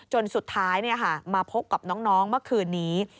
จนสุดท้ายมาพบกับน้องเมื่อคืนนี้